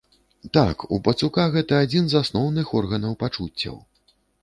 Так, у пацука гэта адзін з асноўных органаў пачуццяў.